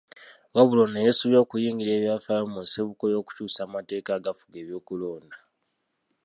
Wabula ono yeesubya okuyingira ebyafaayo mu nsibuko y’okukyusa amateeka agafuga ebyokulonda.